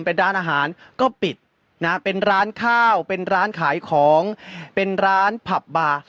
เป็นร้านอาหารก็ปิดนะฮะเป็นร้านข้าวเป็นร้านขายของเป็นร้านผับบาร์